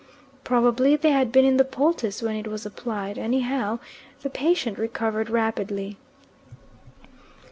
Probably they had been in the poultice when it was applied, anyhow the patient recovered rapidly.